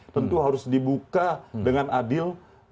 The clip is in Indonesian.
tentu harus dibuka dengan adil